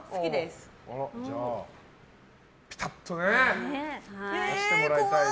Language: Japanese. じゃあピタッとね出してもらいたいね。